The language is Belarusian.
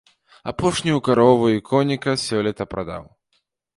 Апошнюю карову і коніка сёлета прадаў.